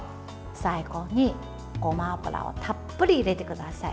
最後に、ごま油をたっぷり入れてください。